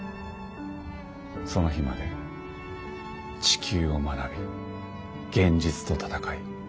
その日まで地球を学び現実と戦い